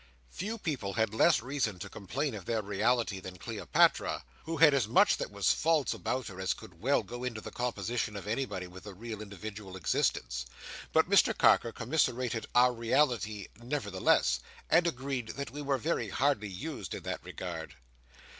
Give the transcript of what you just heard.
Few people had less reason to complain of their reality than Cleopatra, who had as much that was false about her as could well go to the composition of anybody with a real individual existence. But Mr Carker commiserated our reality nevertheless, and agreed that we were very hardly used in that regard.